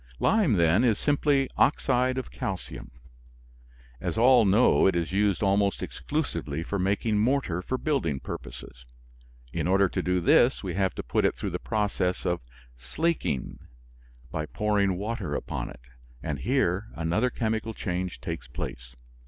Lime, then, is simply oxide of calcium. As all know, it is used almost exclusively for making mortar for building purposes. In order to do this we have to put it through the process of "slacking," by pouring water upon it, and here another chemical change takes place.